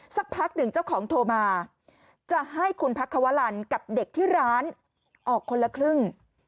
สักพักหนึ่งเจ้าของโทรมาจะให้คุณพักควรรณกับเด็กที่ร้านออกคนละครึ่ง